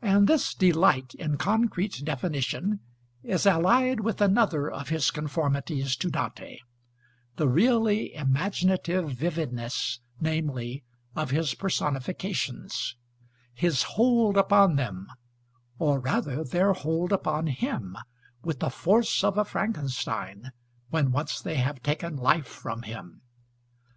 And this delight in concrete definition is allied with another of his conformities to Dante, the really imaginative vividness, namely, of his personifications his hold upon them, or rather their hold upon him, with the force of a Frankenstein, when once they have taken life from him.